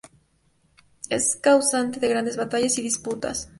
Es causante de grandes batallas y disputas.